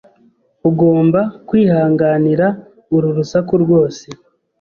Ugomba kwihanganira uru rusaku rwose.